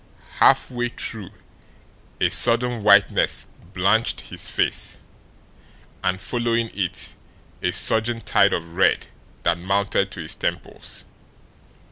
Halfway through, a sudden whiteness blanched his face, and, following it, a surging tide of red that mounted to his temples.